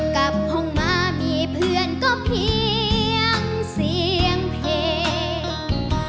กลับห้องมามีเพื่อนก็เพียงเสียงเพลง